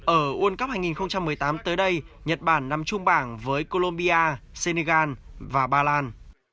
ở world cup hai nghìn một mươi tám tới đây nhật bản nằm chung bảng với colombia senegal và ba lan